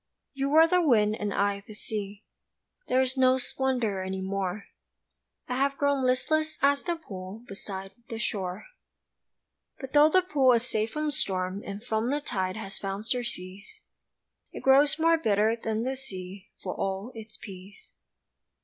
You were the wind and I the sea There is no splendor any more, I have grown listless as the pool Beside the shore. But tho' the pool is safe from storm And from the tide has found surcease, It grows more bitter than the sea, For all its peace.